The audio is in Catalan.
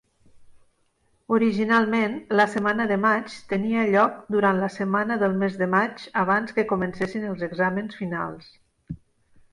Originalment, la setmana de maig tenia lloc durant la setmana del mes de maig abans que comencessin els exàmens finals.